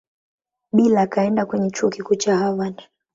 Bill akaenda kwenye Chuo Kikuu cha Harvard.